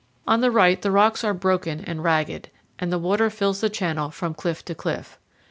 On the right the rocks are broken and ragged, and the water fills the channel from cliff to cliff.